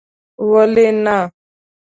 ولي نه